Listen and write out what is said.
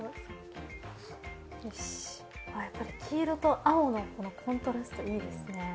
あーやっぱり黄色と青のコントラストいいですね。